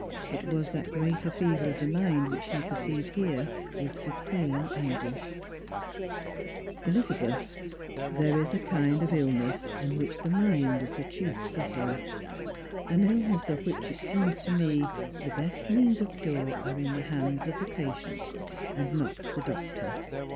it was that greater fever of the mind which he perceived here, with supreme anguish, —" Elizabeth, there is a kind of illness in which the mind is the cliief sufferer, an illness of which it seems to me the best means of cure are in the hands of the patient, and not the doctor.